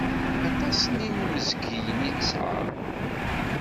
Aṭas n inmezgiyen i nesɛa.